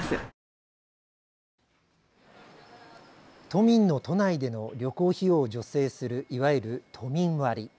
都民の都内での旅行費用を助成する、いわゆる都民割。